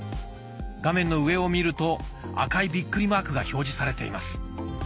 画面の上を見ると赤いビックリマークが表示されています。